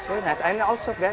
sangat enak dan sangat segar